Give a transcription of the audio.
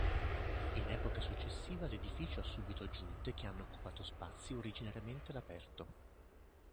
In epoca successiva l'edificio ha subito aggiunte che hanno occupato spazi originariamente all'aperto.